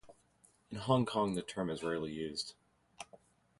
In Hong Kong the term is rarely used.